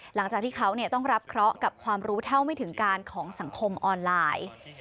หลังจากที่เขาต้องรับเคราะห์กับความรู้เท่าไม่ถึงการของสังคมออนไลน์